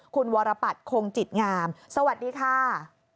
คุณวรปัตรคงจิตงามสวัสดีค่ะ